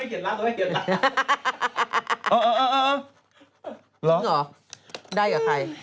ไม่ได้เขียนลักษณ์ไม่ได้เขียนลักษณ์